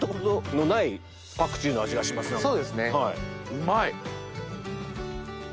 うまい！